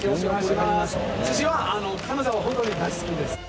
私は、金沢、本当に大好きです。